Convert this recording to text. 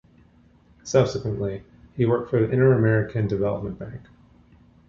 Subsequently, he worked for the Inter-American Development Bank.